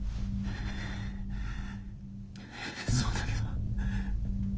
そうだけど。